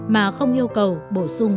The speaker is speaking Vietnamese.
mà không yêu cầu bổ sung